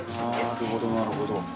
なるほどなるほど。